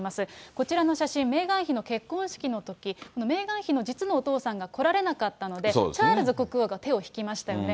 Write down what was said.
こちらの写真、メーガン妃の結婚式のとき、メーガン妃の実のお父さんが来られなかったので、チャールズ国王が手を引きましたよね。